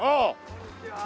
こんにちは。